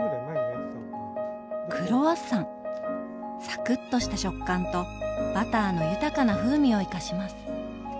サクッとした食感とバターの豊かな風味を生かします。